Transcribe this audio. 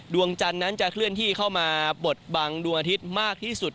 ดวงจันทร์นั้นจะเคลื่อนที่เข้ามาบดบังดวงอาทิตย์มากที่สุด